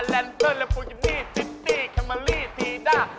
แลนเซอร์แล้วฟูกิมนี่ฟิสตี้แคมมอรี่ทีด้า